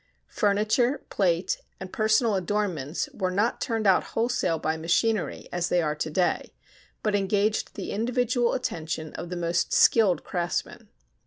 Furniture, plate, and personal adornments were not turned out wholesale by machinery as they are to day, but engaged the individual attention of the most skilled craftsmen.